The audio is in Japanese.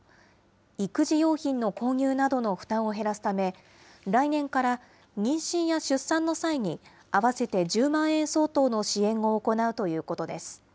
育児用品の購入などの負担を減らすため、来年から妊娠や出産の際に、合わせて１０万円相当の支援を行うということです。